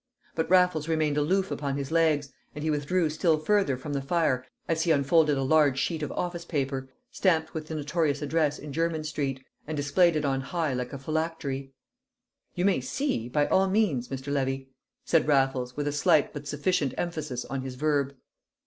But Raffles remained aloof upon his legs, and he withdrew still further from the fire as he unfolded a large sheet of office paper, stamped with the notorious address in Jermyn Street, and displayed it on high like a phylactery. "You may see, by all means, Mr. Levy," said Raffles, with a slight but sufficient emphasis on his verb.